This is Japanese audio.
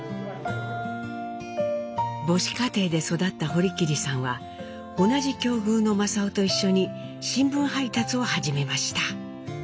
母子家庭で育った堀切さんは同じ境遇の正雄と一緒に新聞配達を始めました。